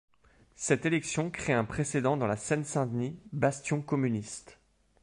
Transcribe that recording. Cette élection crée un précédent dans la Seine-Saint-Denis, bastion communiste.